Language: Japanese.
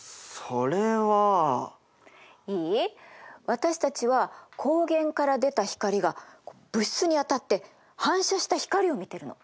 私たちは光源から出た光が物質に当たって反射した光を見てるの。